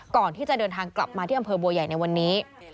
ก่อนที่จะเดินทางกลับมาที่อำเภอบัวใหญ่ในวันนี้